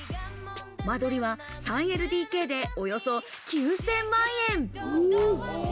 間取りは３ＬＤＫでおよそ９０００万円。